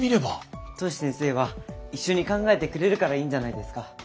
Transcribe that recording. トシ先生は一緒に考えてくれるからいいんじゃないですか？